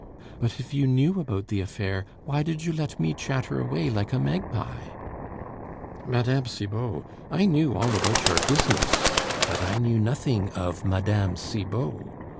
"But if you knew about the affair, why did you let me chatter away like a magpie?" "Mme. Cibot, I knew all about your business, but I knew nothing of Mme. Cibot.